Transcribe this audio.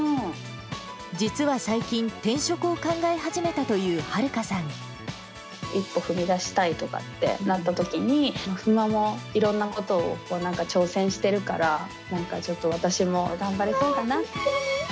実は最近、転職を考え始めた一歩踏み出したいとかってなったときに、ふーままもいろんなことを挑戦してるから、なんかちょっと私も頑張れそうだな。